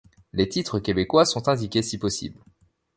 Les titres québécois sont indiqués si possible.